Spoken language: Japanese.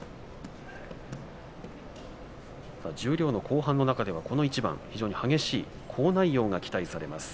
十両の後半の中でも、この一番非常に激しい好内容が期待されます。